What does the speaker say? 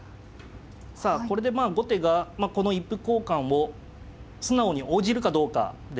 さあこれでまあ後手がこの一歩交換を素直に応じるかどうかです。